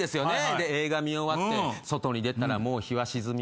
で映画見終わって外に出たらもう日は沈み。